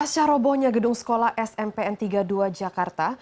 pascah robonya gedung sekolah smp n tiga puluh dua jakarta